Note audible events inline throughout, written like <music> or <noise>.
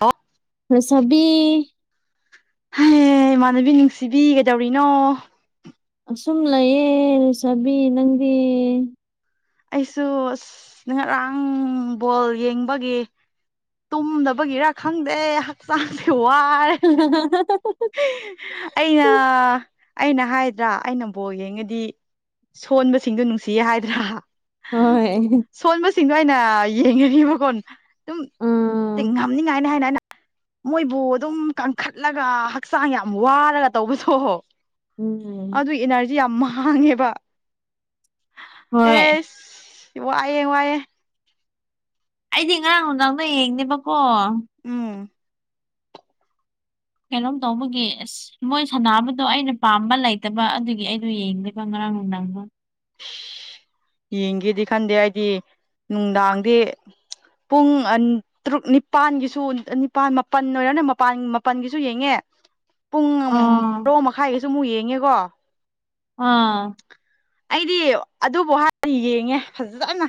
ꯑ ꯁꯕꯤ ꯑꯦ ꯏꯃꯥꯟꯅꯕꯤ ꯅꯨꯡꯁꯤꯕꯤ ꯀꯩꯗꯧꯔꯤꯅꯣ ꯑꯁꯨꯝ ꯂꯩꯌꯦ ꯆꯕꯤ ꯅꯪꯗꯤ ꯑꯩꯁꯨ ꯑꯁ ꯅꯤꯡ ꯉꯔꯥꯡ ꯕꯣꯜ ꯌꯦꯡꯕꯒꯤ ꯇꯨꯝꯗꯕꯒꯤꯔ ꯈꯪꯗꯦ ꯍꯛꯆꯥꯡꯁꯦ ꯋꯥꯔꯦ ꯑꯩꯅ ꯑꯩꯅ ꯍꯥꯏꯗ꯭ꯔꯥ ꯑꯩꯅ ꯕꯣꯔ ꯌꯦꯡꯉꯗꯤ ꯁꯣꯟꯕꯁꯤꯡꯗꯣ ꯅꯨꯡꯁꯤꯌꯦ ꯍꯥꯏꯗ꯭ꯔꯥ ꯍꯣꯏ ꯁꯤꯡꯗꯣ ꯑꯩꯅ ꯌꯦꯡꯉꯕꯀꯣ ꯑꯗꯨꯝ ꯎꯝ ꯉꯝꯅꯤꯡꯉꯥꯏꯅꯤ ꯍꯥꯏꯅ ꯑꯩꯅ ꯃꯣꯏꯕꯨ ꯑꯗꯨꯝ ꯀꯟꯈꯠꯂꯒ ꯍꯛꯆꯥꯡ ꯌꯥꯝ ꯋꯥꯔꯒ ꯇꯧꯕꯗꯣꯍꯣ ꯎꯝ ꯑꯗꯨ ꯏꯅꯔꯖꯤ ꯌꯥꯝ ꯃꯥꯡꯉꯦꯕ ꯍꯣꯏ ꯋꯥꯑꯌꯦ ꯋꯥꯑꯦ ꯑꯩꯗꯤ ꯉꯔꯥꯡ ꯅꯨꯡꯗꯥꯡꯗꯣ ꯌꯦꯡꯅꯦꯦꯕꯀꯣ ꯎꯝ ꯀꯩꯅꯣꯝ ꯇꯧꯕꯒꯤ ꯑꯁ ꯃꯣꯏ ꯁꯥꯟꯅꯕꯗꯣ ꯑꯩꯅ ꯄꯥꯝꯕ ꯂꯩꯇꯕ ꯑꯗꯨꯒꯤ ꯑꯩꯗꯣ ꯌꯦꯡꯗꯕ ꯉꯔ ꯑ ꯅꯪꯃ ꯌꯦꯡꯒꯦꯗꯤ ꯈꯟꯗꯦ ꯍꯥꯏꯗꯤ ꯅꯨꯡꯗꯥꯡꯗꯤ ꯄꯨꯡ ꯇꯔꯨꯛ ꯅꯤꯄꯥꯜꯒꯤꯁꯨ ꯅꯤꯄꯥꯜ ꯃꯥꯄꯜ ꯑꯣꯏꯔꯅꯦ ꯃꯄꯜ ꯃꯥꯄꯜꯒꯤꯁꯨ ꯌꯦꯡꯉꯦ <unintelligible> ꯄꯨꯡ ꯑꯥ ꯄꯔꯣ ꯃꯈꯥꯏꯒꯁꯨ ꯑꯃꯨꯛ ꯌꯦꯡꯉꯦꯀꯣ ꯑꯥ ꯑꯩꯗꯤ ꯑꯗꯨꯕꯨ ꯍꯗꯤ ꯌꯦꯡꯉꯦ ꯐꯖꯅ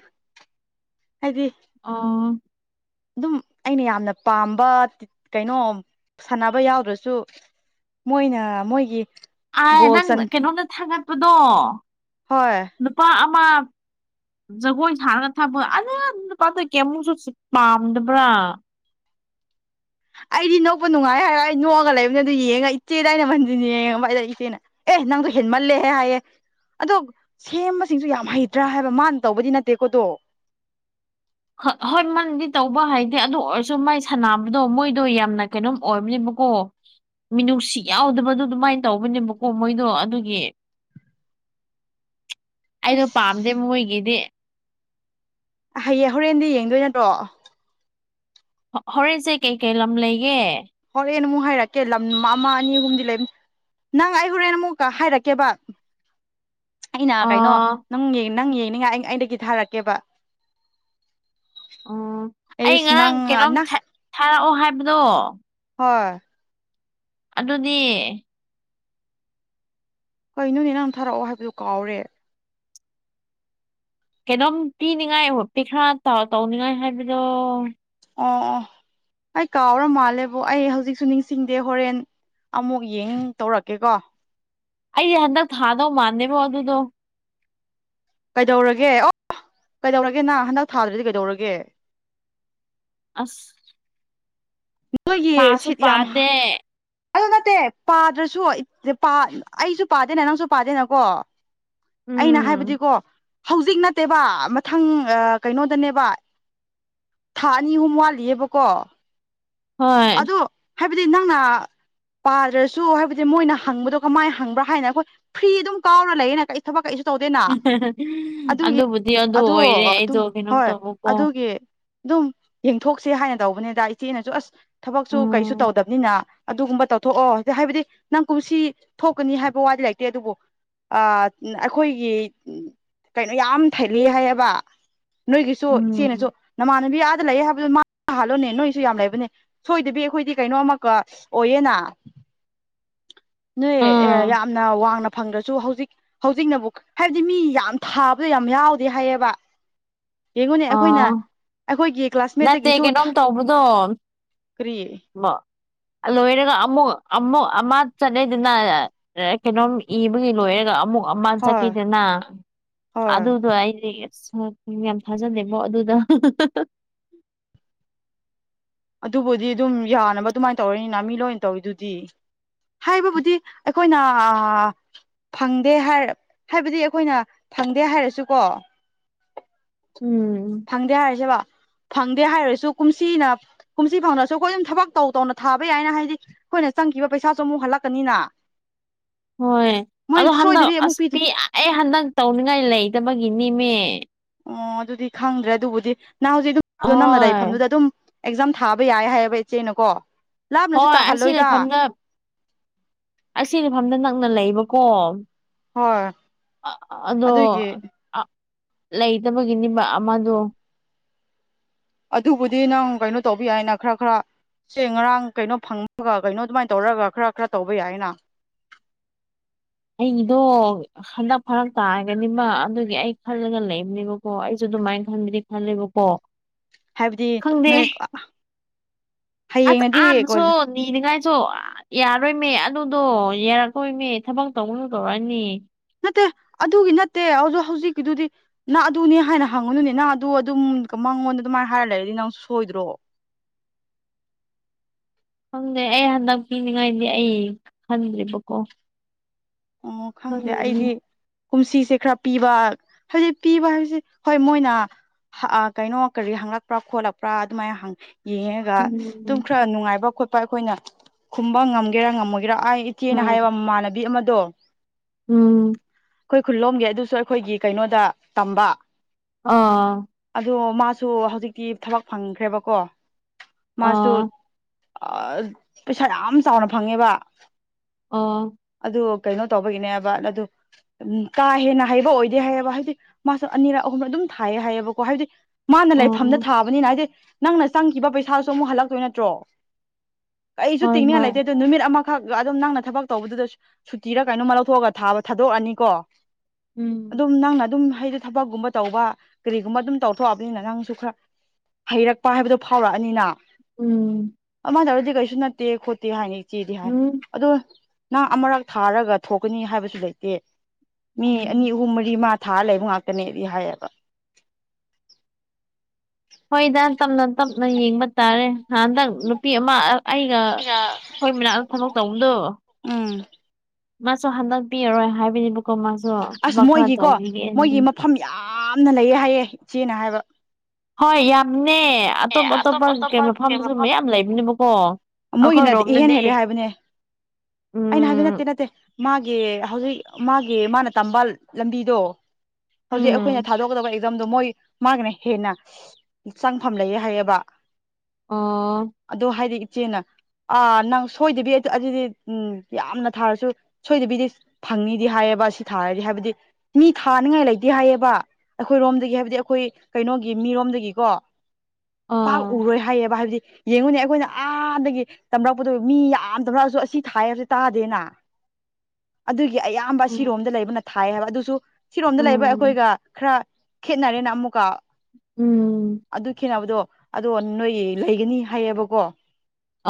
ꯍꯥꯏꯗꯤ ꯑꯥ ꯑꯗꯨꯝ ꯑꯩꯅ ꯌꯥꯝꯅ ꯄꯥꯝꯕ ꯀꯩꯅꯣ ꯁꯥꯟꯅꯕ ꯌꯥꯎꯗ꯭ꯔꯁꯨ ꯃꯣꯏꯅ ꯃꯣꯏꯒꯤ ꯑ ꯒꯣꯜ ꯅꯪ ꯆꯟ ꯀꯩꯅꯣꯅ ꯊꯥꯡꯒꯠꯄꯗꯣ ꯍꯣꯏ ꯅꯨꯄꯥ ꯑꯃ ꯖꯒꯣꯏ ꯁꯥꯔꯒ ꯊꯕ ꯑꯅ ꯄꯊ ꯀꯦ ꯑꯃꯨꯛꯁꯨ ꯄꯥꯝꯗꯕ꯭ꯔꯥ ꯑꯩꯗꯤ ꯅꯣꯛꯄ ꯅꯨꯡꯉꯥꯏ ꯍꯥꯏꯔ ꯑꯩ ꯅꯣꯛꯑꯒ ꯂꯩꯕꯅꯤꯅꯦ ꯑꯗꯨ ꯌꯦꯡꯉ ꯏꯆꯦꯗ ꯑꯩꯅ ꯃꯟꯁꯤꯅꯤ ꯌꯦꯡꯉꯕ ꯑꯩꯗ ꯏꯆꯦꯅ ꯑꯦ ꯅꯪꯒ ꯍꯃꯜꯂꯦꯦ ꯍꯥꯏꯌꯦꯦ ꯑꯗꯣ ꯁꯦꯝꯕꯁꯤꯡꯁꯨ ꯌꯥꯝ ꯍꯩꯇ꯭ꯔꯥ ꯍꯥꯏꯕ ꯃꯥꯅ ꯇꯧꯕꯗꯤ ꯅꯠꯇꯦꯀꯣꯠꯇꯣ <unintelligible> ꯍꯣꯏ ꯍꯣꯏ ꯃꯟꯗꯤ ꯇꯧꯕ ꯍꯥꯏꯗꯦ ꯑꯗꯨ ꯑꯣꯏꯔꯁꯨ ꯃꯥꯏ ꯁꯥꯟꯅꯕꯗꯣ ꯃꯣꯏꯗꯣ ꯌꯥꯝꯅ ꯀꯩꯅꯣꯝ ꯑꯣꯏꯕꯅꯤ ꯀꯣ ꯃꯤꯅꯨꯡꯁꯤ ꯌꯥꯎꯗꯕꯗꯣ ꯑꯗꯨꯃꯥꯏꯅ ꯇꯧꯕꯅꯦꯕꯀꯣ ꯃꯣꯏꯗꯣ ꯑꯗꯨꯒꯤ ꯑꯩꯗꯣ ꯑꯁ ꯄꯥꯝꯗꯦ ꯃꯣꯏꯒꯤꯗꯤ ꯍꯌꯦꯡ ꯍꯣꯔꯦꯟꯗꯤ ꯌꯦꯡꯗꯣꯏ ꯅꯠꯇ꯭ꯔꯣ ꯍꯣꯔꯦꯟꯁꯦ ꯀꯩꯀꯩ ꯂꯝ ꯂꯩꯒꯦ ꯀꯩꯅ ꯑꯃꯨꯛ ꯍꯥꯏꯔꯛꯀꯦ ꯂꯝ ꯑꯃ ꯑꯅꯤ ꯑꯍꯨꯝꯗꯤ ꯂꯩꯅꯤ ꯅꯪ ꯑꯩ ꯍꯣꯔꯦꯟ ꯑꯃꯨꯛꯀ ꯍꯥꯏꯔꯛꯀꯦꯕ ꯑꯩꯅ ꯑ ꯀꯩꯅꯣ ꯅꯪ ꯅꯪ ꯌꯦꯡꯅꯤꯡꯉꯥꯏ ꯑꯩꯗꯒꯤ ꯊꯥꯔꯛꯀꯦꯕ ꯑꯣ ꯑꯩ ꯑꯩꯁ ꯅꯪ ꯉꯔꯥꯡ ꯀꯩꯅꯣꯝ ꯅꯪ ꯊꯥꯔꯛꯑꯣ ꯍꯥꯏꯕꯗꯣ ꯍꯣꯏ ꯑꯗꯨꯅꯦ ꯍꯣꯏ ꯅꯣꯏꯅꯦ ꯅꯪ ꯊꯥꯔꯛꯑꯣ ꯍꯥꯏꯕꯗꯨ ꯀꯥꯎꯔꯦ ꯀꯩꯅꯣꯝ ꯄꯤꯅꯤꯡꯉꯥꯏ ꯄꯤ ꯈꯔ ꯇꯧꯅꯤꯡꯉꯥꯏ ꯍꯥꯏꯕꯗꯣ ꯑꯣ ꯑꯣ <unintelligible> ꯑꯩ ꯀꯥꯎꯔ ꯃꯥꯜꯂꯦꯕꯨ ꯑꯩ ꯍꯧꯖꯤꯛꯁꯨ ꯅꯤꯡꯁꯤꯡꯗꯦ ꯍꯣꯔꯦꯟ ꯑꯃꯨꯛ ꯌꯦꯡ ꯇꯧꯔꯛꯀꯦꯀꯣ ꯑ ꯍꯟꯗꯛ ꯊꯗꯣ ꯃꯥꯥꯟꯦꯕꯥꯎ ꯑꯗꯨꯗꯨꯣ ꯀꯩꯗꯧꯔꯒꯦ ꯑꯣ ꯀꯩꯗꯧꯔꯒꯦ ꯅ ꯍꯟꯗꯛ ꯊꯥꯗꯨꯗꯤ ꯀꯩꯗꯧꯔꯒꯦ ꯑꯁ ꯅꯈꯣꯏꯒꯤ ꯄꯥꯁꯨ ꯁꯤꯠ ꯌꯥꯝ ꯍꯥ ꯄꯥꯗꯦ ꯑꯗꯨ ꯅꯠꯇꯦ ꯄꯥꯗ꯭ꯔꯁꯨ ꯑꯩꯁꯨ ꯄꯥꯗꯦꯅꯦ ꯅꯪꯁꯨ ꯄꯥꯗꯦꯅꯀꯣ ꯑꯩꯅ ꯎꯝ ꯍꯥꯏꯕꯗꯤꯀꯣ ꯍꯧꯖꯤꯛ ꯅꯠꯇꯦꯕ ꯃꯊꯪ ꯀꯩꯅꯣꯗꯅꯦꯕ ꯊꯥ ꯑꯅꯤ ꯑꯍꯨꯝ ꯋꯥꯠꯂꯤꯑꯕꯀꯣ ꯍꯣꯏ ꯑꯗꯣ ꯍꯥꯏꯕꯗꯤ ꯅꯪꯅ ꯄꯥꯗ꯭ꯔꯁꯨ ꯍꯥꯏꯕꯗꯤ ꯃꯣꯏꯅ ꯍꯪꯕꯗꯣ ꯀꯃꯥꯏꯅ ꯍꯪꯕ꯭ꯔꯥ ꯍꯥꯏꯅ ꯑꯩꯈꯣꯏ ꯐ꯭ꯔꯤ ꯑꯗꯨꯝ ꯀꯥꯎꯅ ꯂꯩꯌꯦꯅ ꯀ ꯊꯕꯛ ꯀꯩ ꯇꯧꯗꯦꯅ ꯑꯗꯨꯒꯤ ꯑꯗꯨꯕꯨꯗꯤ ꯑꯗꯨ ꯑꯣ ꯑꯣꯏꯔꯦ ꯑꯗꯨꯝ ꯑꯩꯗꯣ ꯀꯩꯅꯣꯝ ꯍꯣꯏ ꯇꯧꯕꯀꯣ ꯑꯗꯨꯒꯤ ꯑꯗꯨꯝ ꯌꯦꯡꯊꯣꯛꯁꯦ ꯍꯥꯏꯅ ꯇꯧꯕꯅꯤꯗ ꯏꯆꯦꯅꯁꯨ ꯑꯁ ꯊꯕꯛꯁꯨ ꯀꯩꯁꯨ ꯎꯝ ꯇꯧꯗꯕꯅꯤꯅ ꯑꯗꯨꯒꯨꯝꯕ ꯇꯧꯊꯣꯛꯑꯣ ꯍꯥꯏꯕꯗꯤ ꯅꯪ ꯀꯨꯝꯁꯤ ꯊꯣꯛꯀꯅꯤ ꯍꯥꯏꯕ ꯋꯥꯗꯤ ꯂꯩꯇꯦ ꯑꯗꯨꯕꯨ ꯑꯩꯈꯣꯏꯒꯤ ꯀꯩꯅꯣ ꯌꯥꯝ ꯊꯩꯂꯤ ꯍꯥꯏꯌꯦꯕ ꯅꯣꯏꯒꯤꯁꯨ ꯎꯝ ꯏꯆꯦꯅꯁꯨ ꯅꯃꯥꯟꯅꯕꯤ ꯂꯩ ꯍꯥꯏꯕꯗꯨ ꯃꯥꯅ ꯍꯥꯜꯂꯣꯅꯦ ꯅꯣꯏꯁꯨ ꯌꯥꯝ ꯂꯩꯕꯅꯦ ꯁꯣꯏꯗꯕꯤ ꯑꯩꯈꯣꯏꯗꯤ ꯀꯩꯅꯣ ꯑꯃꯛꯀ ꯑꯣꯏꯌꯦꯅ ꯅꯣꯏ ꯑꯦ ꯎꯝ ꯌꯥꯝꯅ ꯋꯥꯡꯅ ꯐꯪꯗ꯭ꯔꯁꯨ ꯍꯧꯖꯤꯛ ꯍꯧꯖꯤꯛꯅꯕꯨ ꯍꯥꯏꯕꯗꯤ ꯃꯤ ꯌꯥꯝ ꯊꯥꯕꯗꯣ ꯌꯥꯝ ꯌꯥꯎꯗꯦ ꯍꯥꯏꯌꯦꯕ ꯌꯦꯡꯉꯣꯅꯦ ꯑꯩꯈꯣꯏꯅ ꯑꯥ ꯑꯩꯈꯣꯏꯒꯤ ꯅꯠꯇꯦ ꯀ꯭ꯂꯥꯁꯃꯦꯠꯇꯒꯤꯁꯨ ꯀꯩꯅꯣꯝ ꯇꯧꯕꯗꯣ ꯀꯔꯤ ꯂꯣꯏꯔꯒ ꯑꯃꯨꯛ ꯑꯃꯨꯛ ꯑꯃ ꯆꯠꯅꯩꯗꯅ ꯀꯩꯅꯣꯝ ꯏꯕꯒꯤ ꯂꯣꯏꯔꯒ ꯑꯃꯨꯛ ꯑꯣꯃꯥꯟ ꯍꯣꯏ ꯆꯀꯤꯗꯅ ꯍꯣꯏ ꯑꯗꯨ ꯑꯗꯨ ꯑꯩꯗꯤ ꯍ ꯎꯝ ꯌꯥꯝ ꯐꯥꯖꯅꯦꯕꯣ ꯑꯗꯨꯗ ꯑꯗꯨꯕꯨꯗꯤ ꯑꯗꯨꯝ ꯌꯥꯅꯕ ꯑꯗꯨꯃꯥꯏꯅ ꯇꯧꯔꯅꯤꯅ ꯃꯤ ꯂꯣꯏꯅ ꯇꯧꯔꯤꯗꯨꯗꯤ ꯍꯥꯏꯕꯕꯨꯗꯤ ꯑꯩꯈꯣꯏꯅ ꯐꯪꯗꯦ ꯍꯥꯏꯔ ꯍꯥꯏꯕꯗꯤ ꯑꯩꯈꯣꯏꯅ ꯐꯪꯗꯦ ꯍꯥꯏꯔꯁꯨꯀꯣ ꯎ ꯐꯪꯗꯦ ꯍꯥꯏꯔꯁꯦꯕ ꯐꯪꯗꯦ ꯍꯥꯏꯔꯁꯨ ꯀꯨꯝꯁꯤꯅ ꯀꯨꯝꯁꯤ ꯐꯥꯎꯅꯁꯨ ꯑꯩꯈꯣꯏ ꯑꯗꯨꯝ ꯊꯕꯛ ꯇꯧ ꯇꯧꯅ ꯊꯥꯕ ꯌꯥꯏꯅ ꯍꯥꯏꯗꯤ ꯑꯩꯈꯣꯏꯅ ꯆꯪꯈꯤꯕ ꯄꯩꯁꯥꯁꯨ ꯑꯃꯨꯛ ꯍꯜꯂꯛꯀꯅꯤꯅ ꯍꯣꯏ ꯃꯣꯏ ꯑꯗꯣ ꯍꯟꯗꯛ ꯁꯣꯏꯗꯕꯤ ꯑꯃꯨꯛ ꯄꯤꯗꯦ ꯑꯁꯄꯤꯤ ꯑꯩ ꯍꯟꯗꯛ ꯇꯧꯅꯤꯡꯉꯥꯏ ꯂꯩꯇꯕꯒꯤꯅꯤ ꯃꯦ ꯑꯣ ꯑꯗꯨꯗꯤ ꯈꯪꯗ꯭ꯔꯦ ꯑꯗꯨꯕꯨꯗꯤ ꯅꯍꯥꯟ ꯍꯧꯖꯤꯛ ꯑꯗꯨꯝ ꯍꯣꯏ ꯅꯪꯅꯗꯥꯏꯐꯝꯗꯨꯗ ꯑꯗꯨꯝ ꯑꯦꯛꯖꯥꯝ ꯊꯥꯕ ꯌꯥꯏ ꯍꯥꯏꯌꯦꯕ ꯏꯆꯦꯅꯀꯣ ꯂꯥꯞꯅꯁꯨ ꯍꯣꯏ ꯑꯁꯤ ꯇꯥꯍꯜꯂꯣꯏꯗ ꯂꯩꯐꯝꯗ ꯑꯁꯤ ꯏꯐꯝꯗ ꯅꯛꯅ ꯂꯩꯕꯀꯣ ꯍꯣꯏ ꯑ ꯑꯗꯣ ꯑꯗꯨꯒꯤ ꯑ ꯂꯩꯇꯕꯒꯤꯅꯦꯕ ꯑꯃꯗꯣ ꯑꯗꯨꯕꯨꯗꯤ ꯅꯪ ꯀꯩꯅꯣ ꯇꯧꯕ ꯌꯥꯏꯅ ꯈꯔ ꯈꯔ ꯁꯦ ꯉꯔꯥꯡ ꯀꯩꯅꯣ ꯐꯪꯃꯒ ꯀꯩꯅꯣ ꯑꯗꯨꯃꯥꯏꯅ ꯇꯧꯔꯒ ꯈꯔ ꯈꯔ ꯇꯧꯕ ꯌꯥꯏꯅ <inaudible> ꯑꯩꯒꯤꯗꯣ ꯍꯟꯗꯛ ꯐꯔꯛ ꯇꯥꯔꯒꯅꯤꯃ ꯑꯗꯨꯒꯤ ꯑꯩ ꯈꯜꯂꯒ ꯂꯩꯕꯅꯦꯕꯀꯣ ꯑꯩꯁꯨ ꯑꯗꯨꯃꯥꯏꯅ ꯈꯟꯕꯗꯤ ꯈꯜꯂꯦꯕꯀꯣ ꯍꯥꯏꯕꯗꯤ ꯈꯪꯗꯦ ꯅꯣꯏ ꯑꯁ ꯍꯌꯦꯡꯅꯗꯤ ꯑꯥꯗꯁꯨ ꯀꯣꯜ ꯅꯤꯅꯤꯡꯉꯥꯏ ꯑꯣ ꯌꯥꯔꯣꯏꯃꯦ ꯑꯗꯨꯗꯣ ꯌꯥꯔꯛꯇꯣꯏꯃꯦ ꯊꯕꯛ ꯇꯧꯅ ꯇꯧꯔꯛꯑꯅꯤ ꯅꯠꯇꯦ ꯑꯗꯨꯒꯤ ꯅꯠꯇꯦ ꯍꯧ ꯍꯧꯖꯤꯛꯀꯤꯗꯨꯗꯤ ꯅꯅꯥ ꯑꯗꯨꯅꯦ ꯍꯥꯏꯅ ꯍꯪꯉꯅꯅꯦ ꯅꯍ ꯑꯗꯨ ꯑꯗꯨꯝ ꯀꯃ ꯅꯉꯣꯟꯗ ꯑꯗꯨꯃꯥꯏꯅ ꯍꯥꯏꯔ ꯂꯩꯔꯗꯤ ꯅꯪ ꯁꯣꯏꯗ꯭ꯔꯣ <inaudible> ꯈꯪꯗꯦ ꯑꯩ ꯍꯟꯗꯛ ꯄꯤꯅꯤꯡꯉꯥꯏꯗꯤ ꯑꯩ ꯈꯟꯗ꯭ꯦꯔꯤꯕꯀꯣ ꯑꯣ ꯈꯪꯗꯦ ꯑꯩꯗꯤ ꯀꯨꯝꯁꯤꯁꯦ ꯈꯔ ꯄꯤꯕ ꯍꯥꯏꯖꯤꯗꯤ ꯄꯤꯕ ꯍꯥꯏꯕꯁꯦ ꯍꯣꯏ ꯃꯣꯏꯅ ꯀꯩꯅꯣ ꯀꯔꯤ ꯍꯪꯂꯛꯄ꯭ꯔꯥ ꯈꯣꯠꯂꯛꯄ꯭ꯔꯥ ꯑꯗꯨꯃꯥꯏꯅ ꯌꯦꯡꯉꯒ ꯑꯗꯨꯝ ꯎꯝ ꯈꯔ ꯅꯨꯡꯉꯥꯏꯕ ꯈꯣꯠꯄ ꯑꯩꯈꯣꯏꯅ ꯈꯨꯝꯕ ꯉꯝꯒꯦꯔꯥ ꯉꯝꯃꯣꯏ ꯀꯔꯥ ꯑꯩ ꯏꯆꯦꯅ ꯎꯝ ꯍꯥꯏꯕ ꯃꯃꯥꯟꯅꯕꯤ ꯑꯃꯗꯣ ꯎꯝ ꯑꯩꯈꯣꯏ ꯈꯨꯂꯣꯝꯒꯤ ꯑꯗꯨꯁꯨ ꯑꯩꯈꯣꯏꯒꯤ ꯀꯩꯅꯣꯗ ꯇꯝꯕ ꯑꯥ ꯑꯗꯣ ꯃꯥꯁꯨ ꯍꯧꯖꯤꯛꯇꯤ ꯊꯕꯛ ꯐꯪꯈ꯭ꯔꯦꯕꯀꯣ ꯃꯥꯁꯨ ꯑꯥ ꯄꯩꯁꯥ ꯌꯥꯝ ꯆꯥꯎꯅ ꯐꯪꯉꯦꯕ ꯑꯣ ꯑꯗꯨ ꯀꯩꯅꯣ ꯇꯧꯕꯒꯤꯅꯦꯕ ꯑꯗꯨ ꯎ ꯀꯥ ꯍꯦꯟꯅ ꯍꯩꯕ ꯑꯣꯏꯗꯦ ꯍꯥꯏꯌꯦꯕ ꯍꯥꯏꯗꯤ ꯃꯥꯁꯨ ꯑꯅꯤꯔꯛ ꯑꯍꯨꯝꯔꯛ ꯑꯗꯨꯝ ꯊꯥꯏꯌꯦ ꯍꯥꯏꯌꯦꯕꯀꯣ ꯍꯥꯏꯕꯗꯤ ꯃꯥꯅ ꯂꯩꯐꯝꯗ ꯑꯥ ꯊꯥꯕꯅꯤꯅ ꯍꯥꯏꯗꯤꯦ ꯅꯪꯅ ꯆꯪꯈꯤꯕ ꯄꯩꯁꯥꯁꯨ ꯑꯃꯨꯛ ꯍꯜꯂꯛꯇꯣꯏ ꯅꯠꯇ꯭ꯔꯣ ꯑꯩꯁꯨ ꯍꯣꯏ ꯇꯤꯡꯅꯤꯡꯉ ꯍꯣꯏ ꯂꯩꯇꯦ ꯑꯗꯨ ꯅꯨꯃꯤꯠ ꯑꯃꯈꯛ ꯑꯗꯨꯝ ꯅꯪꯅ ꯊꯕꯛ ꯇꯧꯕꯗꯨꯗꯁꯨ ꯁꯨꯇꯤꯔ ꯀꯩꯅꯣꯃ ꯂꯧꯊꯣꯛꯑꯒ ꯊꯥꯕ ꯊꯥꯗꯣꯛꯑꯅꯤꯀꯣ ꯎꯝ ꯑꯗꯨꯝ ꯅꯪꯅ ꯑꯗꯨꯝ ꯍꯗꯨ ꯊꯕꯛꯀꯨꯝꯕ ꯇꯧꯕ ꯀꯔꯤꯒꯨꯝꯕ ꯑꯗꯨꯝ ꯇꯧꯊꯣꯛꯑꯕꯅꯤꯅ ꯅꯪꯁꯨ ꯈꯔ ꯍꯩꯔꯛꯄ ꯍꯥꯏꯕꯗꯨꯣ ꯐꯥꯎꯔꯛꯑꯅꯤꯅ ꯎꯝ ꯑꯃ ꯇꯧꯔꯗꯤ ꯀꯩꯁꯨ ꯅꯠꯇꯦ ꯈꯣꯠꯇꯦ ꯍꯥꯏꯅꯤ ꯏꯆꯦꯗꯤ ꯍꯥꯏ ꯎꯝ ꯑꯗꯣ ꯅꯪ ꯑꯃꯨꯔꯛ ꯊꯥꯔꯒ ꯊꯣꯛꯀꯅꯤ ꯍꯥꯏꯕꯁꯨ ꯂꯩꯇꯦ ꯃꯤ ꯑꯅꯤ ꯎꯝ ꯑꯍꯨꯝ ꯃꯔꯤ ꯊꯥ ꯂꯩꯕ ꯉꯥꯛꯇꯅꯦꯗꯤ ꯍꯥꯏꯌꯦꯕ ꯍꯣꯏꯗ ꯇꯞꯅ ꯇꯞꯅ ꯌꯦꯡꯕ ꯇꯥꯔꯦ ꯅꯟꯗꯪ ꯅꯨꯄꯤ ꯑꯃ ꯑꯩꯒ ꯁꯤꯔ ꯑꯩꯈꯣꯏ ꯃꯅꯥꯛꯇ ꯊꯕꯛ ꯇꯧꯕꯗꯣ ꯎꯝ ꯃꯥꯁꯨ ꯍꯟꯗꯛꯄꯤꯔꯔꯣꯏ ꯍꯥꯏꯕꯅꯤꯕꯨ ꯑꯁ ꯃꯣꯏꯒꯤꯀꯣ ꯃꯣꯏꯒꯤ ꯃꯐꯝ ꯌꯥꯝꯅ ꯂꯩꯌꯦ ꯍꯥꯏꯌꯦꯦ ꯏꯆꯦꯅ ꯍꯥꯏꯕ ꯍꯣꯏ ꯌꯥꯝꯅꯦ ꯑꯇꯣꯞ ꯑꯇꯣꯞꯄ ꯀꯩ ꯃꯐꯝꯁꯨ ꯃꯌꯥꯝ ꯂꯩꯕꯅꯦꯕꯀꯣ ꯃꯣꯏꯒꯤꯅꯗꯤ ꯏꯍꯦꯟ ꯑꯩꯈꯣꯏꯔꯣꯝꯗꯗꯤ ꯍꯦꯜꯂꯦ ꯍꯥꯏꯕꯅꯦ ꯑꯩꯅ ꯍꯥꯏꯕ ꯎꯝ ꯅꯠꯇꯦ ꯅꯠꯇꯦ ꯃꯥꯒꯤ ꯍꯧꯖꯤꯛ ꯃꯥꯒꯤ ꯃꯥꯅ ꯇꯝꯕ ꯂꯝꯕꯤꯗꯣ ꯍꯧꯖꯤꯛ ꯑꯩꯈꯣꯏꯅ ꯎꯝ ꯊꯥꯗꯣꯛꯀꯗꯕ ꯑꯦꯛꯖꯥꯝꯗꯣ ꯃꯣꯏ ꯃꯥꯒꯤꯅ ꯍꯦꯟꯅ ꯆ ꯐꯝ ꯂꯩꯑꯦ ꯍꯥꯏꯌꯦꯕ ꯑꯣ ꯆꯦꯅ ꯑꯥ ꯅꯪ ꯁꯣꯏꯗꯕꯤ ꯑꯗꯨꯗꯤ ꯎꯝ ꯌꯥꯝꯅ ꯊꯥꯔꯁꯨ ꯁꯣꯏꯗꯕꯤꯗꯤ ꯐꯪꯅꯤꯤꯗꯤ ꯍꯥꯏꯌꯦ ꯊꯔꯗꯤ ꯍꯥꯏꯕ ꯃꯤ ꯊꯥꯉꯥꯏ ꯂꯩꯇꯦ ꯍꯥꯏꯌꯦꯕ ꯑꯩꯈꯣꯏꯔꯣꯝ ꯍꯥꯏꯕꯗꯤ ꯑꯩꯈꯣꯏ ꯀꯩꯅꯣꯒꯤ ꯃꯤꯔꯣꯝꯗꯒꯤꯀꯣ ꯄꯥꯛ ꯑꯥ ꯎꯔꯣꯏ ꯍꯥꯏꯌꯦꯕ ꯍꯥꯏꯕꯗꯤ ꯌꯦꯡꯉꯨꯅꯦ ꯑꯩꯈꯣꯏꯅ ꯑꯥꯗꯒꯤ ꯇꯝꯂꯛꯄꯗꯣ ꯃꯤ ꯌꯥꯝ ꯇꯝꯂꯛꯑꯁꯨ ꯑꯁꯤ ꯊꯥꯏ ꯍꯥꯏꯕꯁꯦ ꯇꯥꯗꯦꯅ ꯑꯗꯨ ꯒꯤ ꯑꯌꯥꯝꯕ ꯎꯝ ꯁꯤꯔꯣꯝꯗ ꯂꯩꯕꯅ ꯊꯥꯏ ꯍꯥꯏꯕ ꯑꯗꯨꯁꯨ ꯁꯤꯔꯣꯝꯗ ꯂꯩꯕ ꯎꯝ ꯑꯩꯈꯣꯏꯒ ꯈꯔ ꯈꯦꯠꯅꯔꯦꯅꯃ ꯀꯥ ꯎꯝ ꯅꯕꯗꯣ ꯑꯗꯣ ꯅꯣꯏ ꯂꯩꯒꯅꯤ ꯍꯥꯏꯌꯦꯕꯀꯣ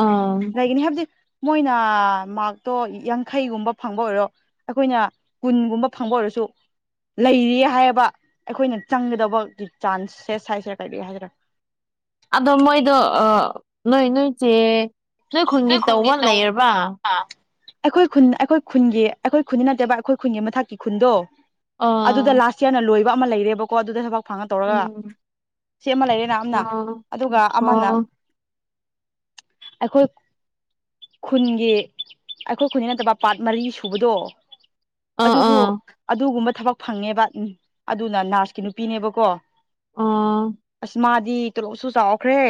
ꯑꯥ ꯂꯩꯒꯅꯤ ꯍꯥꯏꯕꯗꯤ ꯃꯣꯏꯅ ꯃꯥꯔꯛꯇꯣ ꯌꯥꯡꯈꯩꯒꯨꯝꯕ ꯐꯪꯕ ꯑꯣꯏꯔꯣ ꯑꯩꯈꯣꯏꯅ ꯀꯨꯟꯒꯨꯝꯕ ꯐꯪꯕ ꯑꯣꯏꯔꯁꯨ ꯂꯩꯔꯤ ꯍꯥꯏꯕ ꯑꯩꯈꯣꯏꯅ ꯆꯪꯒꯗꯕꯒꯤ ꯆꯥꯟꯁꯦꯁ ꯍꯥꯏꯁꯤꯔꯥ ꯀꯩꯗ ꯍꯥꯏꯁꯤꯔ ꯑꯗꯣ ꯃꯣꯏꯗꯣ ꯅꯣꯏ ꯅꯣꯏꯁꯦ ꯅꯣꯏ ꯈꯨꯟꯒꯤ ꯇꯧꯕ ꯂꯩꯔꯕ ꯑꯩꯈꯣꯏ ꯈꯨꯟ ꯑꯩꯈꯣꯏ ꯈꯨꯟꯒꯤ ꯑꯩꯈꯣꯏ ꯈꯨꯟꯗꯤ ꯅꯠꯇꯦꯕ ꯑꯩꯈꯣꯏ ꯈꯨꯟꯒꯤ ꯃꯊꯛꯀꯤ ꯈꯨꯟꯗꯣ ꯑꯗꯨꯗ ꯑꯥ ꯂꯥꯁ ꯏꯌꯥꯔꯅ ꯂꯣꯏꯕ ꯑꯃ ꯂꯩꯔꯦꯕꯀꯣ ꯑꯗꯨꯗ ꯊꯕꯛ ꯐꯪꯉ ꯇꯧꯔꯒ ꯎꯝ ꯁꯤ ꯑꯃ ꯂꯩꯔꯦꯅ ꯑꯅ ꯑꯣ ꯑꯗꯨꯒ ꯑꯃꯅ ꯑꯣ ꯑꯩꯈꯣꯏ ꯈꯨꯟꯒꯤ ꯑꯩꯈꯣꯏ ꯈꯨꯟꯒꯤ ꯅꯠꯇꯕ ꯄꯥꯠ ꯃꯔꯤ ꯁꯨꯕꯗꯣ ꯑꯥ ꯑꯗꯨꯁꯨ ꯑꯥ ꯑꯗꯨꯒꯨꯝꯕ ꯊꯕꯛ ꯐꯪꯉꯦꯕ ꯑꯗꯨꯅ ꯅꯅꯥꯔꯁꯀꯤ ꯅꯨꯄꯤꯅꯦꯕꯀꯣ ꯑꯥ ꯑꯁꯃꯥꯗꯤ ꯇꯂꯣꯛꯁꯨ ꯆꯥꯎꯈ꯭ꯔꯦ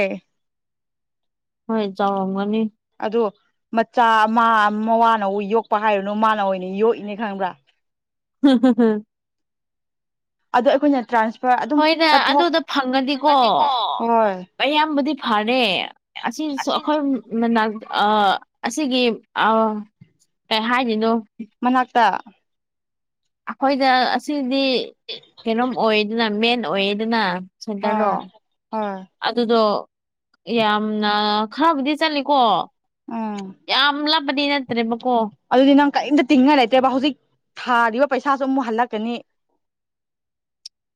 ꯍꯣꯏ ꯆꯥꯎꯔꯝꯒꯅꯤ ꯑꯗꯣ ꯃꯆꯥ ꯑꯃ ꯃꯋꯥꯅꯕꯨ ꯌꯣꯛꯄ ꯍꯥꯏꯔꯨꯅꯨ ꯃꯥꯅ ꯑꯣꯏꯅ ꯌꯣꯛꯏꯅꯦ ꯈꯪꯕ꯭ꯔꯥ ꯍꯝꯝ ꯑꯗꯣ ꯑꯩꯈꯣꯏꯅ ꯇ꯭ꯔꯥꯟꯁ ꯍꯣꯏꯅ ꯑꯗꯨꯗ ꯐꯪꯉꯅꯤꯀꯣ ꯍꯣꯏ ꯑꯌꯥꯝꯕꯗꯤ ꯐꯔꯦ ꯑꯁꯤꯁꯨ ꯑꯩꯈꯣꯏ ꯑ ꯑꯁꯤꯒꯤ ꯀꯩ ꯍꯥꯏꯗꯣꯏꯅꯣ ꯃꯅꯥꯛꯇ ꯑꯩꯈꯣꯏꯗ ꯑꯁꯤꯗꯤ ꯀꯩꯅꯣꯝ ꯑꯣꯏꯗꯅ ꯃꯦꯟ ꯑꯣꯏꯗꯅ ꯁꯦꯟꯇꯔꯔꯣ ꯍꯣꯏ ꯍꯣꯏ ꯑꯗꯨꯗꯣ ꯌꯥꯝꯅ ꯈꯔꯕꯨꯗꯤ ꯆꯠꯂꯤꯀꯣ ꯎꯝ ꯌꯥꯝ ꯂꯕꯗꯤ ꯅꯠꯇ꯭ꯔꯦꯕꯀꯣ ꯑꯗꯨꯗꯤ ꯅꯪ ꯀꯔꯤꯝꯇ ꯇꯤꯡꯉ ꯂꯩꯇꯦꯕ ꯍꯧꯖꯤꯛ ꯊꯥꯔꯤꯕ ꯄꯩꯁꯥꯁꯨ ꯑꯃꯨꯛ ꯍꯜꯂꯛꯀꯅꯤ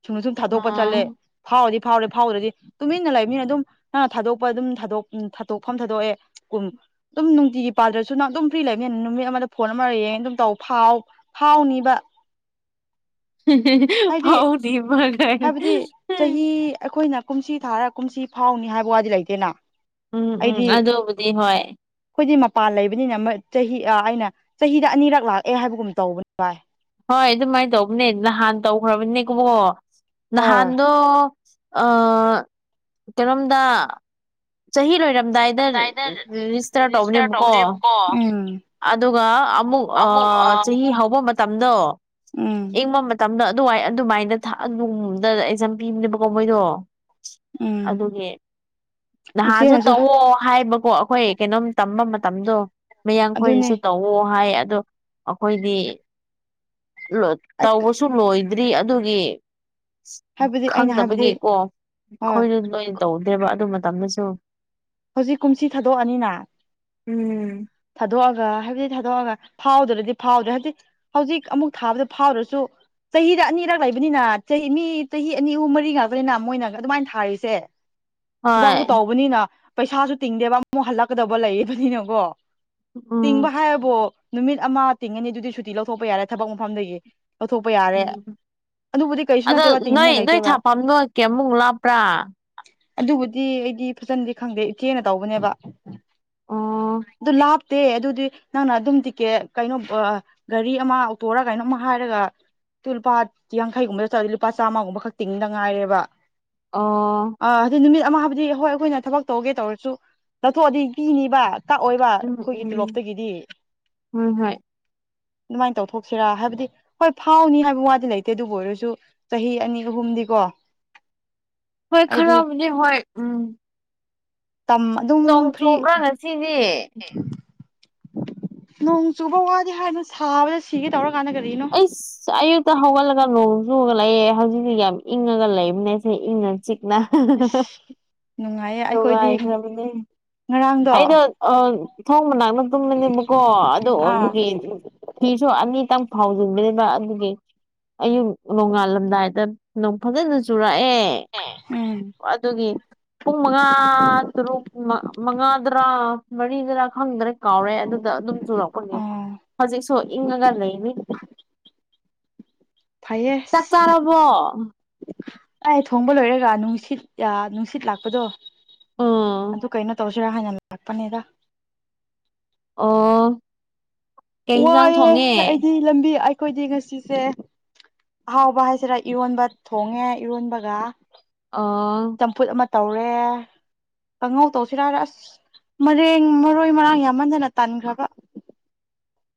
ꯁꯨꯝꯅ ꯁꯨꯝ ꯊꯥꯗꯣꯛꯄ ꯑꯥ ꯆꯠꯂꯦ ꯐꯥꯎꯗꯤ ꯐꯥꯎꯔꯦ ꯐꯥꯎꯗ꯭ꯔꯗꯤ ꯇꯨꯃꯤꯟꯅ ꯂꯩꯕꯅꯤꯅ ꯑꯗꯨꯝ ꯅꯪ ꯊꯥꯗꯣꯛꯄ ꯑꯗꯨꯝ ꯊꯥꯗꯣꯛ ꯊꯥꯗꯣꯛꯐꯝ ꯊꯥꯗꯣꯛꯑꯦ ꯀꯨꯝ ꯑꯗꯨꯝ ꯅꯨꯡꯇꯤꯒꯤ ꯄꯥꯜꯗ꯭ꯔꯁꯨ ꯅꯪ ꯑꯗꯨꯝ ꯐ꯭ꯔꯤ ꯂꯩꯕꯃꯤꯅꯤꯅ ꯅꯨꯃꯤꯠ ꯑꯃꯗ ꯐꯣꯟ ꯑꯃꯔ ꯌꯦꯡꯉ ꯑꯗꯨꯝ ꯇꯧ ꯐꯥꯎ ꯐꯥꯎꯅꯤꯕ ꯍꯥꯏꯗꯤ ꯐꯥꯎꯅꯤꯕ ꯀꯥꯏꯅ ꯍꯥꯏꯕꯗꯤ ꯆꯍꯤ ꯑꯩꯈꯣꯏꯅ ꯀꯨꯝꯁꯤ ꯊꯥꯔꯒ ꯀꯨꯝꯁꯤ ꯐꯥꯎꯅꯤ ꯍꯥꯏꯕ ꯋꯥꯗꯤ ꯂꯩꯇꯦꯅ ꯎꯝ ꯎꯝ ꯑꯩꯗꯤ ꯑꯗꯨꯕꯨꯗꯤ ꯍꯣꯏ ꯑꯩꯈꯣꯏꯗꯤ ꯃꯄꯥꯟ ꯂꯩꯕꯅꯤꯅ ꯆꯍꯤ ꯑꯩꯅ ꯆꯍꯤꯗ ꯑꯅꯤꯔꯛ ꯂꯥꯛꯑꯦ ꯍꯥꯏꯕꯒꯨꯝ ꯇꯧꯕꯅꯤ ꯚꯥꯏ ꯍꯣꯏ ꯑꯗꯨꯃꯥꯏꯅ ꯇꯧꯕꯅꯦ ꯅꯍꯥꯟ ꯇꯧꯈ꯭ꯔꯕꯅꯦ ꯀꯕꯣ ꯍꯣꯏ ꯅꯍꯥꯟꯗꯣ ꯑ ꯀꯩꯅꯣꯝꯗ ꯆꯍꯤ ꯂꯣꯏꯔꯔꯕ ꯔꯝꯗꯥꯏꯗ ꯂꯣꯏꯔꯝꯗꯥꯏꯗ ꯔꯦꯖꯤꯁꯇꯥꯔ ꯇꯧꯕꯅꯦꯕꯀꯣ ꯑꯗꯨꯒ ꯑꯃꯨꯛ ꯆꯍꯤ ꯍꯧꯕ ꯃꯇꯝꯗꯣ ꯎꯝ ꯏꯪꯕ ꯇꯝꯅ ꯑꯗꯨꯋꯥꯏ ꯑꯗꯨꯃꯥꯏꯅ ꯅꯨꯡꯝꯗ ꯑꯦꯛꯖꯥꯝ ꯄꯤꯕꯅꯦꯕꯀꯣ ꯃꯣꯏꯗꯣ ꯎꯝ ꯑꯗꯨꯒꯤ ꯅꯍꯥꯁꯨ ꯏꯆꯦꯅꯁꯨ ꯇꯧꯑꯣ ꯍꯥꯏꯕ ꯀꯣ ꯑꯩꯈꯣꯏ ꯀꯩꯅꯣꯝ ꯇꯝꯕ ꯃꯇꯝꯗꯣ ꯑꯗꯨꯅꯦ ꯃꯌꯥꯡꯈꯣꯏꯅꯁꯨ ꯇꯧꯋ ꯍꯥꯏ ꯑꯗꯣ ꯑꯩꯈꯣꯏꯗꯤ ꯇꯧꯕꯁꯨ ꯂꯣꯏꯗ꯭ꯔꯤ ꯑꯗꯨꯒꯤ ꯍꯥꯏꯕꯗꯤ ꯑꯩꯅ ꯍꯥꯏꯕꯗꯤ ꯈꯪꯗꯕꯒꯤꯀꯣ ꯍꯣꯏ ꯑꯩꯈꯣꯏꯁꯨ ꯅꯣꯏꯅ ꯇꯧꯗꯦꯕ ꯑꯗꯨ ꯃꯇꯝꯗꯁꯨ ꯍꯧꯖꯤꯛ ꯀꯨꯝꯁꯤ ꯊꯥꯗꯣꯛꯑꯅꯤꯅ ꯎꯝ ꯊꯥꯗꯣꯛꯑꯒ ꯍꯥꯏꯕꯗꯤ ꯊꯥꯗꯣꯛꯑꯒ ꯐꯥꯎꯗ꯭ꯔꯗꯤ ꯐꯥꯎꯗ꯭ꯔꯦ ꯍꯥꯏꯕꯗꯤ ꯍꯧꯖꯤꯛ ꯑꯃꯨꯛ ꯊꯥꯕꯗ ꯐꯥꯎꯗ꯭ꯔꯁꯨ ꯆꯍꯤꯗ ꯑꯅꯤꯔꯛ ꯂꯩꯕꯅꯤꯅ ꯆꯍꯤ ꯃꯤ ꯆꯍꯤ ꯑꯅꯤ ꯑꯍꯨꯝ ꯃꯔꯤ ꯉꯥꯛꯄꯅꯤꯅ ꯃꯣꯏꯅꯒ ꯑꯗꯨꯃꯥꯏꯅ ꯊꯥꯔꯤꯁꯦ ꯍꯣꯏ ꯊꯕꯥꯛꯇꯨ ꯇꯧꯕꯅꯤꯅ ꯄꯩꯁꯥꯁꯨ ꯇꯤꯡꯗꯦꯕ ꯑꯃꯨꯛ ꯍꯜꯂꯛꯀꯗꯕ ꯂꯩꯕꯅꯤꯅꯀꯣ ꯇꯤꯡꯕ ꯎꯝ ꯍꯥꯏꯔꯕꯣ ꯅꯨꯃꯤꯠ ꯑꯃ ꯇꯤꯡꯉꯅꯤ ꯑꯗꯨꯗꯤ ꯁꯨꯇꯤ ꯂꯧꯊꯣꯛꯄ ꯌꯥꯔꯦ ꯊꯕꯛ ꯃꯐꯝꯗꯒꯤ ꯂꯧꯊꯣꯛꯄ ꯌꯥꯔꯦ ꯑꯗꯨꯕꯨꯗꯤ ꯀꯩꯁꯨ ꯑꯗꯣ ꯅꯠꯇꯦꯕ ꯅꯣꯏ ꯇꯤꯡꯅꯤꯡꯉꯥꯏ ꯅꯣꯏ ꯂꯩꯇꯦꯕ ꯊꯥꯐꯝꯝ ꯅꯣꯀꯦ ꯑꯃꯨꯛ ꯂꯥꯞꯄ꯭ꯔꯥ ꯑꯗꯨꯕꯨꯗꯤ ꯑꯩꯗꯤ ꯐꯖꯅꯗꯤ ꯈꯪꯗꯦ ꯏꯆꯦꯅ ꯇꯧꯕꯅꯦꯕ ꯑꯣ ꯑꯗꯨ ꯂꯥꯞ ꯦ ꯑꯗꯨꯗꯤ ꯅꯪꯅ ꯑꯗꯨꯝ ꯇꯤꯀꯦꯠ ꯀꯩꯅꯣ ꯒꯥꯔꯤ ꯑꯃ ꯑꯣꯇꯣꯔ ꯀꯩꯅꯣꯝ ꯑꯃ ꯍꯥꯏꯔꯒ ꯂꯨꯄꯥ ꯌꯥꯡꯈꯩꯒꯨꯝꯕ ꯆꯠꯗꯤ ꯂꯨꯄꯥ ꯆꯥꯝꯃꯒꯨꯝꯕ ꯈꯛꯇꯤꯡꯗ ꯉꯥꯏꯔꯦꯕ ꯑ ꯑꯥ ꯑꯗꯨ ꯅꯨꯃꯤꯠ ꯑꯃ ꯍꯥꯏꯕꯗꯤ ꯍꯣꯏ ꯑꯩꯈꯣꯏꯅ ꯊꯕꯛ ꯇꯧꯒꯦ ꯇꯧꯔꯁꯨ ꯇꯥꯊꯣꯛꯑꯗꯤ ꯀꯤꯅꯤꯕ ꯀꯛꯑꯣ ꯑꯩꯈꯣꯏꯒꯤ ꯎꯝ ꯇꯣꯂꯣꯞꯇꯒꯤꯗꯤ ꯎꯝ ꯍꯣꯏ ꯍꯣꯏ ꯑꯗꯨꯃꯥꯏꯅ ꯇꯧꯊꯣꯛꯁꯤꯔꯥ ꯍꯥꯏꯕꯗꯤ ꯍꯣꯏ ꯐꯥꯎꯅꯤ ꯍꯥꯏꯕ ꯋꯥꯗꯤ ꯂꯩꯇꯦ ꯑꯗꯨꯕꯨ ꯑꯣꯏꯔꯁꯨ ꯆꯍꯤ ꯑꯅꯤ ꯑꯍꯨꯝꯗꯤ ꯀꯣ ꯍꯣꯏ ꯈꯔꯕꯅꯦ ꯍꯣꯏ ꯎꯝ ꯇꯝ ꯑꯗꯨꯝ ꯅꯣꯡ ꯐ꯭ꯔꯤ ꯆꯨꯕ꯭ꯔꯥ ꯉꯁꯤꯗꯤ ꯅꯣꯡ ꯆꯨꯕ ꯋꯥꯗꯤ ꯍꯥꯏꯅ ꯁꯥꯕꯗ ꯁꯤꯒꯦ ꯇꯧꯔ ꯑꯩ ꯛꯇ ꯍꯧꯒꯠꯂꯒ ꯅꯣꯡ ꯆꯨꯨꯔꯒ ꯂꯩꯦ ꯍꯧꯖꯤꯛꯇꯤ ꯌꯥꯝ ꯏꯪꯉꯒ ꯂꯩꯕꯅꯦꯁꯦ ꯏꯪꯉ ꯆꯤꯛ ꯑꯁ ꯅꯨꯡꯉꯥꯏꯌꯦ ꯇꯣꯒ ꯑꯩꯈꯣꯏꯗꯤ ꯍꯥꯏꯅꯃꯤꯅꯦ ꯉꯔꯥꯡꯗꯣ ꯑꯩꯗꯣ ꯊꯣꯡ ꯃꯅꯥꯛꯅ ꯇꯨꯝꯕꯅꯦꯕꯀꯣ ꯑꯗꯨ ꯑꯥ ꯑꯣꯏꯕꯒꯤ ꯐꯤꯁꯨ ꯑꯅꯤꯇꯪ ꯐꯥꯎꯖꯤꯟꯕꯅꯤꯅ ꯑꯗꯨꯒꯤ ꯑꯌꯨꯛ ꯅꯣꯡꯉꯥꯜꯂꯝꯗꯥꯏꯗ ꯅ ꯐꯖꯅ ꯆꯨꯔꯛꯑꯦ ꯑꯦ ꯎꯝ ꯑꯗꯨꯒꯤ ꯄꯨꯡ ꯃꯉꯥ ꯇꯔꯨꯛ ꯃꯉꯥꯗꯔꯥ ꯃꯔꯤꯗꯔꯥ ꯈꯪꯗꯅ ꯀꯥꯎꯔꯦ ꯑꯗꯨꯗ ꯑꯗꯨꯝ ꯆꯨꯔꯛꯄꯅꯤ ꯑꯣ ꯍꯧꯖꯤꯛꯁꯨ ꯏꯪꯉꯒ ꯂꯩꯅꯤ ꯐꯩꯌꯦ ꯆ ꯇꯥꯔꯕꯣ ꯑꯩ ꯊꯣꯡꯕ ꯂꯣꯏꯔꯦꯒ ꯅꯨꯡꯁꯤꯠ ꯅꯨꯡꯁꯤꯠ ꯂꯥꯛꯄꯗꯣ ꯑꯗꯨ ꯎꯝ ꯀꯩꯅꯣ ꯇꯧꯁꯤ ꯔ ꯍꯥꯏꯅ ꯂꯥꯛꯄꯅꯦꯗ ꯑꯣ ꯀꯩ ꯌꯦꯟꯁꯥꯡ ꯋꯥꯏꯑꯦ ꯊꯣꯡꯉꯦ ꯑꯩꯗꯤ ꯂꯝꯕꯤ ꯑꯩꯈꯣꯏꯗꯤ ꯉꯁꯤꯁꯦ ꯑꯍꯥꯎꯕ ꯍꯥꯏꯁꯤꯔꯥ ꯏꯔꯣꯟꯕ ꯊꯣꯡꯉꯦ ꯏꯔꯣꯟꯕꯒ ꯑꯥ ꯆꯝꯐꯨꯠ ꯑꯃ ꯇꯧꯔꯦ ꯀꯥꯡꯍꯧ ꯇꯧꯁꯤꯔꯥꯔ ꯑꯁ ꯃꯔꯦꯡ ꯃꯔꯣꯏ ꯃꯔꯥꯡ ꯌꯥꯝꯍꯟꯗꯅ ꯇꯥꯟꯈ꯭ꯔꯕ